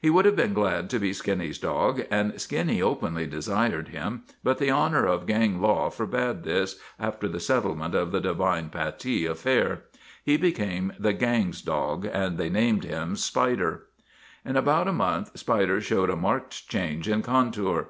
He would have been glad to be Skinny's dog, and Skinny openly desired him, but the honor of gang law forbade this, after the settlement of the Devine Pattee affair. He became the gang's dog, and they named him Spider. In about a month Spider showed a marked change in contour.